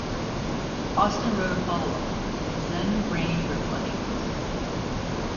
Austin wrote a follow-up, "Zen-Brain Reflections".